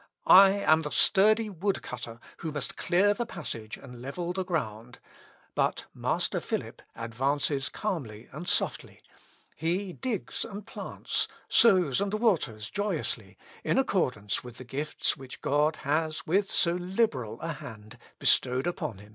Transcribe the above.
I am the sturdy wood cutter who must clear the passage and level the ground; but master Philip advances calmly and softly; he digs and plants, sows, and waters joyously, in accordance with the gifts which God has, with so liberal a hand, bestowed upon him."